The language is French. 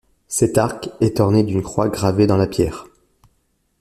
Cet arc est orné d'une croix gravée dans la pierre.